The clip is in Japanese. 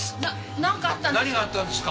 何かあったんですか？